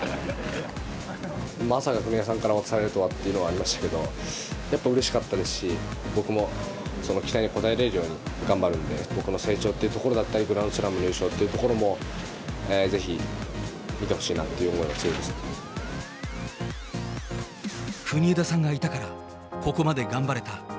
まさか国枝さんから渡されるとはっていうのはありましたけど、やっぱうれしかったですし、僕もその期待に応えられるように頑張るんで、僕の成長っていうところだったり、グランドスラムの優勝っていうところをぜひ見てほしいなっていう国枝さんがいたから、ここまで頑張れた。